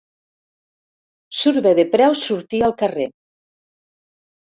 Surt bé de preu sortir al carrer.